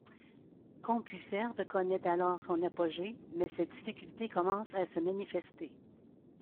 CompuServe connaît alors son apogée, mais ses difficultés commencent à se manifester.